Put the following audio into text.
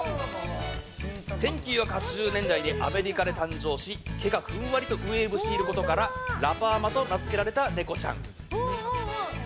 １９８０年代にアメリカで誕生し毛が、ふんわりとウェーブしていることからラパーマと名付けられたネコちゃん。